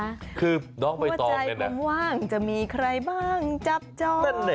หัวใจยังว่างจะมีใครบ้างจับจ้อง